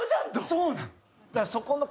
そうなの。